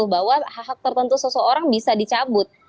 bahwa hak hak tertentu seseorang bisa dicabut